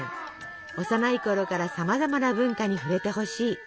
幼いころからさまざまな文化に触れてほしい。